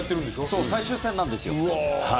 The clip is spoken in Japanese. そう、最終戦なんですよ。